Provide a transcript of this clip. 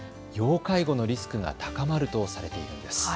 介護のリスクが高まるとされているんです。